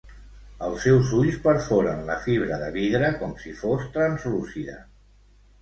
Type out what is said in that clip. Els seus ulls perforen la fibra de vidre, com si fos translúcida.